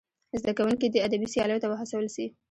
زدهکوونکي دې ادبي سیالیو ته وهڅول سي.